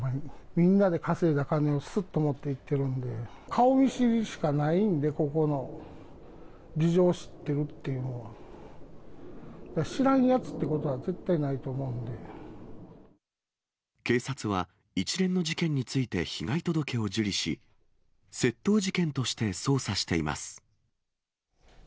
みんなで稼いだ金をすっと持っていってるんで、顔見知りしかないんで、ここの事情を知ってるっていうのは、知らんやつということは、警察は、一連の事件について被害届を受理し、窃盗事件として捜査しています。